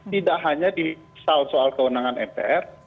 tidak hanya di sel soal kewenangan mpr